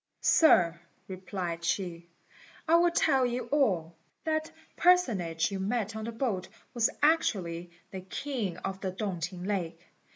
"Sir," replied she, "I will tell you all. That personage you met on the boat was actually the king of the Tung t'ing lake.